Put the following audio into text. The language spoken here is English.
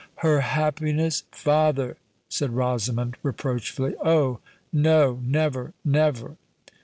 "Her happiness, father!" said Rosamond, reproachfully. "Oh! no—never, never!"